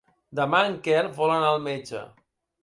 Demà en Quel vol anar al metge.